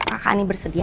apakah kak andin bersedia